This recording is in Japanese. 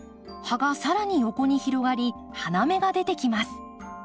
葉が更に横に広がり花芽が出てきます。